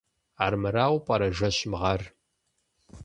Армырауэ пӀэрэ жэщым гъар?